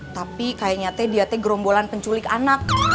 tapi kayaknya dia gerombolan penculik anak